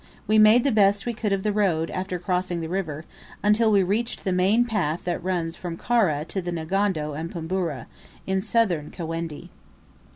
We made the best we could of the road after crossing the river, until we reached the main path that runs from Karah to Ngondo and Pumburu, in Southern Kawendi.